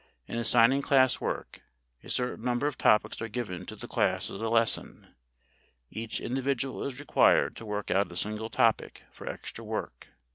In assigning class work, a certain number of topics are given to the class as a lesson. Each individual is required to work out a single topic for extra work.